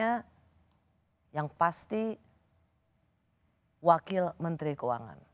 karena yang pasti wakil menteri keuangan